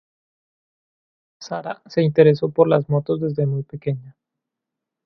Sara se interesó por las motos desde muy pequeña.